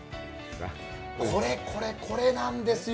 これこれ、これなんですよ。